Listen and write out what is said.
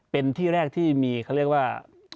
เป็นที่แรกที่มีเขาเรียกว่า